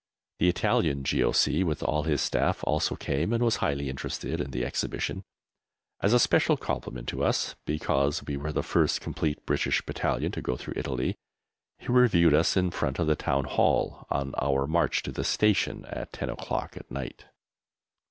The Italian G.O.C., with all his Staff, also came, and was highly interested in the exhibition. As a special compliment to us, because we were the first complete British Battalion to go through Italy, he reviewed us in front of the Town Hall on our march to the station at 10 o'clock at night.